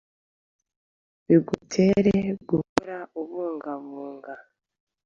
bi gutera guhora ubunga bunga